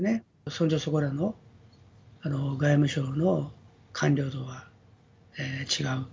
そんじょそこらの外務省の官僚とは違う。